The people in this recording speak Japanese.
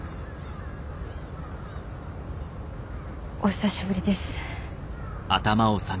お久しぶりです。